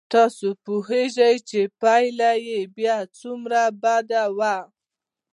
تاسو پوهېږئ چې پایله به یې څومره بد وي.